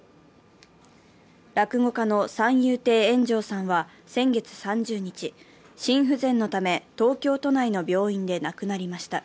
落語家の三遊亭圓丈さんは先月３０日、心不全のため、東京都内の病院で亡くなりました。